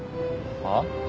はっ？